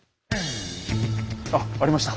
あっありました。